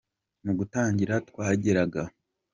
Mu gutangira twageraga.